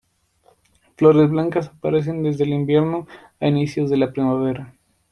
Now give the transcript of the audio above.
Flores blancas aparecen desde el invierno a inicios de la primavera.